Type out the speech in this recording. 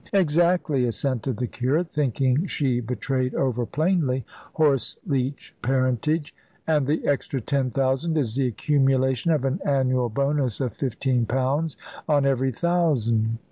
"Exactly," assented the curate, thinking she betrayed over plainly horse leech parentage; "and the extra ten thousand is the accumulation of an annual bonus of fifteen pounds on every thousand."